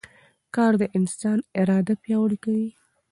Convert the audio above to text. کار د انسان اراده پیاوړې کوي